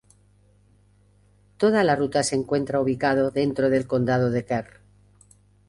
Toda la ruta se encuentra ubicado dentro del condado de Kern.